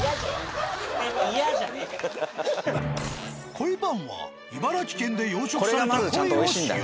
鯉パンは茨城県で養殖された鯉を使用。